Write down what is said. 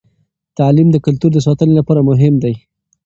تعلیم د کلتور د ساتنې لپاره مهم دی.